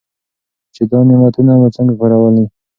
چې دا نعمتونه مو څنګه کارولي.